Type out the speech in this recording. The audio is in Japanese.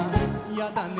「やだね